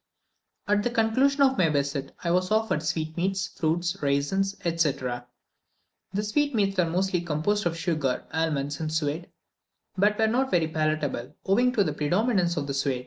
At the conclusion of my visit, I was offered sweetmeats, fruits, raisins, etc. The sweetmeats were mostly composed of sugar, almonds, and suet, but were not very palatable, owing to the predominance of the suet.